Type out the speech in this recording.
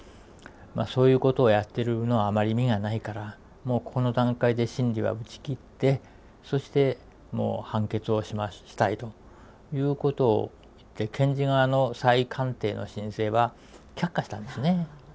そういうことをやってるのはあまり意味がないからもうこの段階で審理は打ち切ってそして判決をしたいということを言って検事側の再鑑定の申請は却下したんですね。